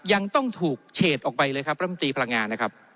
ยังต้องถูกเฉดออกไปเลยครับรัฐมนตรีพลังงานนะครับ